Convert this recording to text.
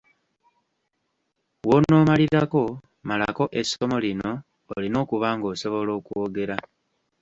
W'onoomalirako malako essomo lino olina okuba ng'osobola okwogera.